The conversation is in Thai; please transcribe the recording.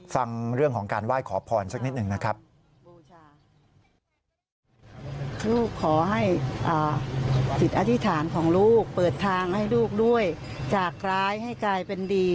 ฟังเรื่องของการไหว้ขอพรสักนิดหนึ่งนะครับ